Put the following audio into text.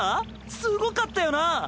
すごかったよな。